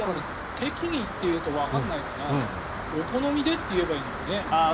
適宜って言うとわからないからお好みでって言うといいのにね。